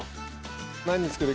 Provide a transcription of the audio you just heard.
何を作る？